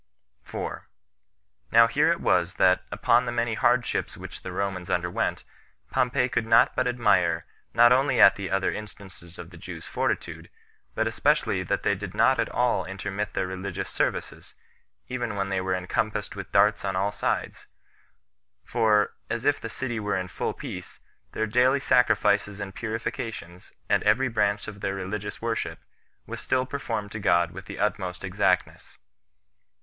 4. Now here it was that, upon the many hardships which the Romans underwent, Pompey could not but admire not only at the other instances of the Jews' fortitude, but especially that they did not at all intermit their religious services, even when they were encompassed with darts on all sides; for, as if the city were in full peace, their daily sacrifices and purifications, and every branch of their religious worship, was still performed to God with the utmost exactness.